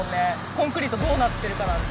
コンクリートどうなってるかなんて。